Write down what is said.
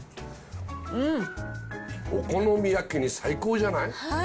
お好み焼きに最高じゃない？